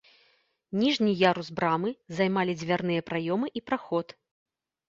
Ніжні ярус брамы займалі дзвярныя праёмы і праход.